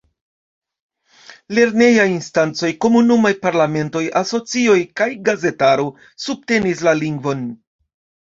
Lernejaj instancoj, komunumaj parlamentoj, asocioj kaj gazetaro subtenis la lingvon.